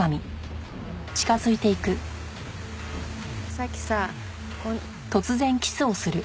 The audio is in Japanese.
さっきさ。